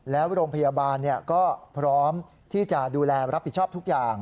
แล้วโรงพยาบาลก็พร้อมที่จะดูแลรับผิดชอบทุกอย่าง